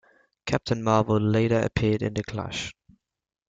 Captain Marvel later appeared in The Clash.